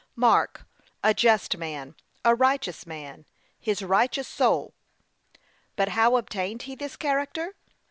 Mark, 'a just man,' 'a righteous man,' 'his righteous soul,' &c. But how obtained he this character?